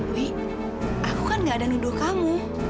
wi aku kan gak ada nuduh kamu